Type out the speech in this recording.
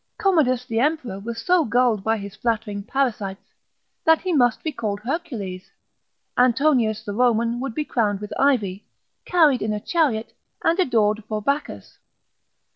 Commodus the emperor was so gulled by his flattering parasites, that he must be called Hercules. Antonius the Roman would be crowned with ivy, carried in a chariot, and adored for Bacchus.